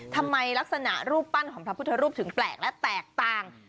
ทำไมลักษณะรูปปั้นของพระพุทธรูปถึงแปลกและแตกต่าง